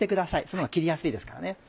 そのほうが切りやすいですからね。